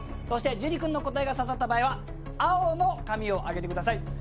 そして樹君の答えが刺さった場合は青の紙を上げてください